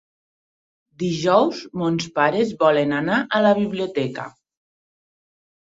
Dijous mons pares volen anar a la biblioteca.